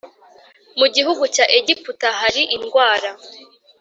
mu gihugu cya Egiputa hari indwara